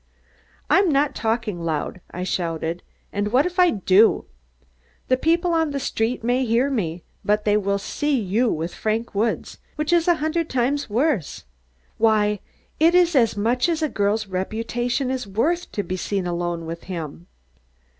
"I'm not talking loud," I shouted, "and what if I do? The people on the street may hear me, but they will see you with Frank Woods, which is a hundred times worse. Why, it is as much as a girl's reputation is worth to be seen alone with him."